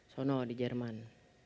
sono di jerman